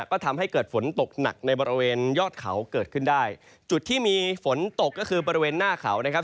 ก็ทำให้เกิดฝนตกหนักในบริเวณยอดเขาเกิดขึ้นได้จุดที่มีฝนตกก็คือบริเวณหน้าเขานะครับ